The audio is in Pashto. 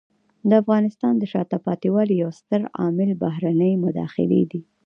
د افغانستان د شاته پاتې والي یو ستر عامل بهرنۍ مداخلې دي.